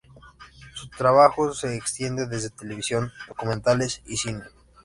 Su trabajo se extiende desde televisión, documentales y cine.